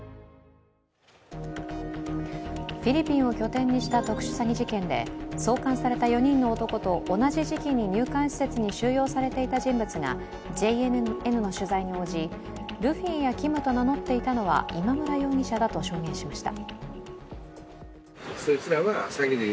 フィリピンを拠点として特殊詐欺事件で送還された４人の男と同じ時期に入管施設に収容されていた人物がＪＮＮの取材に応じルフィやＫｉｍと名乗っていたのは今村容疑者だと証言しました。